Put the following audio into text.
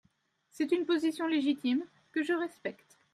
C’est une position légitime, que je respecte.